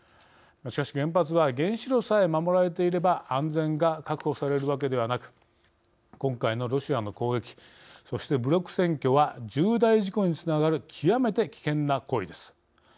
しかし、原発は原子炉さえ守られていれば安全が確保されるわけではなく今回のロシアの攻撃、そして武力占拠は重大事故につながる極めて危険な行為です。